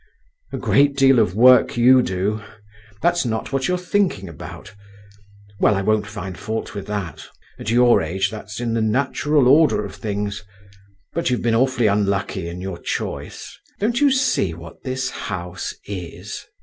"A great deal of work you do! that's not what you're thinking about! Well, I won't find fault with that … at your age that's in the natural order of things. But you've been awfully unlucky in your choice. Don't you see what this house is?"